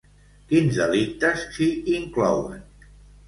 Quins delictes s'hi inclouen?